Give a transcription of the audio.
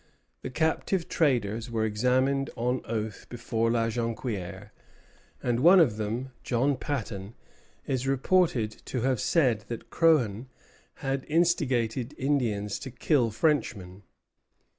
The captive traders were examined on oath before La Jonquière, and one of them, John Patton, is reported to have said that Croghan had instigated Indians to kill Frenchmen.